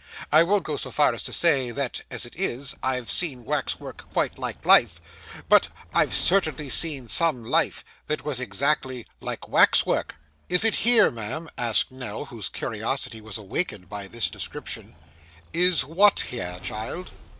I won't go so far as to say, that, as it is, I've seen wax work quite like life, but I've certainly seen some life that was exactly like wax work.' 'Is it here, ma'am?' asked Nell, whose curiosity was awakened by this description. 'Is what here, child?